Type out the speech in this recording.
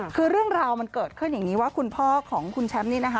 คือเรื่องราวมันเกิดขึ้นอย่างนี้ว่าคุณพ่อของคุณแชมป์นี่นะคะ